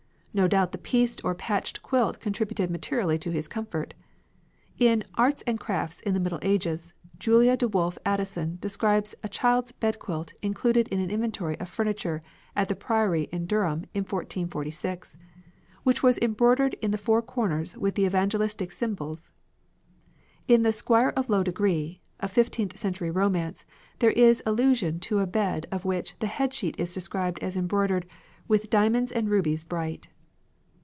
No doubt the pieced or patched quilt contributed materially to his comfort. In "Arts and Crafts in the Middle Ages," Julia de Wolf Addison describes a child's bed quilt included in an inventory of furniture at the Priory in Durham in 1446, "which was embroidered in the four corners with the Evangelistic symbols." In the "Squier of Lowe Degree," a fifteenth century romance, there is allusion to a bed of which the head sheet is described as embroidered "with diamonds and rubies bright."